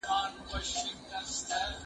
زه نان خوړلی دی